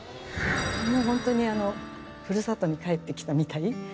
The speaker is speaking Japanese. もうホントにあのふるさとに帰ってきたみたい。